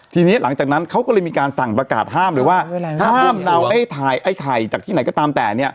ทีนี้หลังจากนั้นเขาก็เลยมีการสั่งประกาศห้ามเลยว่าห้ามเดาให้ถ่ายไอ้ไข่จากที่ไหนก็ตามแต่เนี่ย